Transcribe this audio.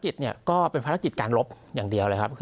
กิจเนี่ยก็เป็นภารกิจการลบอย่างเดียวเลยครับ